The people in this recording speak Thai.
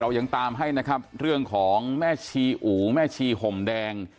ยังตามให้นะครับเรื่องของแม่ชีอู๋แม่ชีห่มแดง